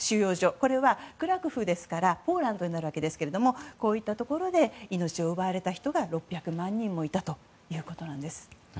これはクラクフですからポーランドになりますがこういったところで命を奪われた人が６００万人もいたということです。